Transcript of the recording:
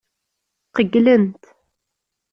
Qeyylent.